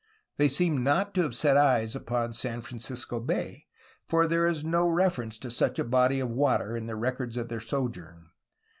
'' They seem not to have set eyes upon San Francisco Bay, for there is no reference to such a body of water in the records of their sojourn.